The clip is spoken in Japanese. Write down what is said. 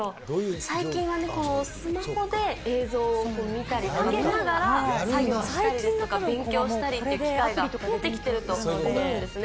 最近はね、スマホで映像を見ながら作業したり勉強したりという機会が増えてきていると思うんですね。